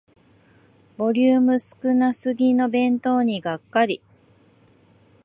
ボリューム少なすぎの弁当にがっかり